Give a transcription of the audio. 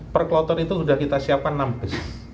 per kloter itu sudah kita siapkan enam bus